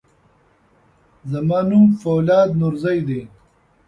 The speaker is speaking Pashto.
زما نوم فولاد نورزی دی.